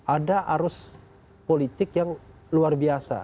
ada arus politik yang luar biasa